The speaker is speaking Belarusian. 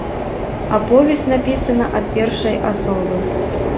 Аповесць напісана ад першай асобы.